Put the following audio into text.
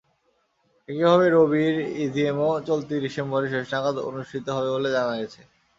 একইভাবে রবির ইজিএমও চলতি ডিসেম্বরের শেষ নাগাদ অনুষ্ঠিত হবে বলে জানা গেছে।